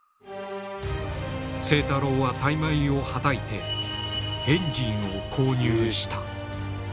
清太郎は大枚をはたいてエンジンを購入した。